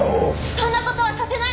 そんなことはさせない！